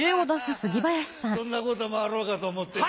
ハハハそんなこともあろうかと思ってねぇ。